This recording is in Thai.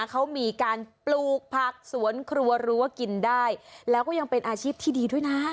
เขามีการปลูกผักสวนครัวรั้วกินได้แล้วก็ยังเป็นอาชีพที่ดีด้วยนะ